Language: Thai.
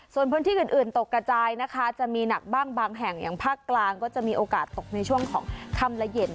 ส่วนพื้นที่อื่นตกกระจายนะคะจะมีหนักบ้างบางแห่งอย่างภาคกลางก็จะมีโอกาสตกในช่วงของค่ำและเย็น